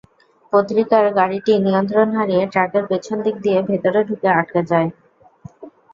পত্রিকার গাড়িটি নিয়ন্ত্রণ হারিয়ে ট্রাকের পেছন দিক দিয়ে ভেতরে ঢুকে আটকে যায়।